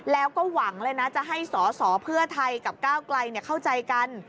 แล้วก็หวังเลยนะจะให้สอสอเพื่อไทยกับก้าวไกลเข้าใจกัน